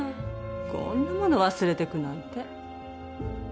こんなもの忘れてくなんて。